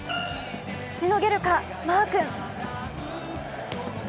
しのげるか、マー君。